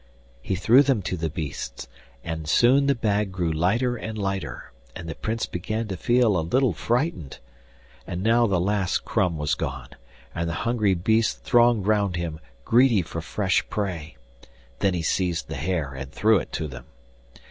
He threw them to the beasts, but soon the bag grew lighter and lighter, and the Prince began to feel a little frightened. And now the last crumb was gone, and the hungry beasts thronged round him, greedy for fresh prey. Then he seized the hare and threw it to them.